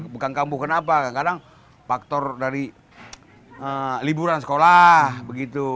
bukan kampung kenapa kadang faktor dari liburan sekolah begitu